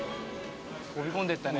飛び込んでったね。